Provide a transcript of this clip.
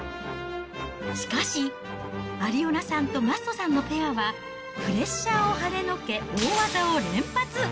しかし、アリオナさんとマッソさんのペアは、プレッシャーをはねのけ、大技を連発。